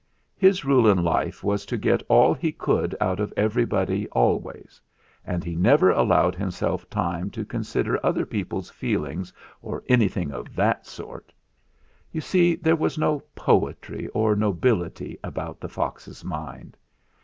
His rule in life was to get all he could out of everybody always, and he never allowed himself time to consider other people's feelings or anything of that sort. You see, there was no poetry or nobility about the fox's mind.